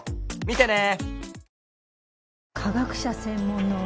見てね！